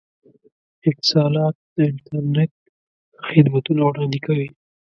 اتصالات د انترنت ښه خدمتونه وړاندې کوي.